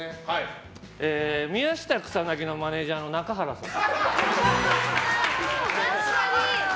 宮下草薙のマネジャーの中原さん。